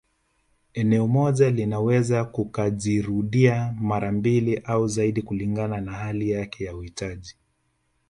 Eneo moja linaweza likajirudia mara mbili au zaidi kulingana na hali yake na uhitaji